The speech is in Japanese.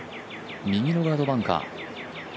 右のガードバンカー。